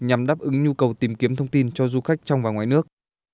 nhằm đáp ứng nhu cầu tìm kiếm thông tin cho du khách trong và ngoài nước